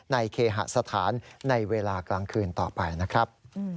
เคหสถานในเวลากลางคืนต่อไปนะครับ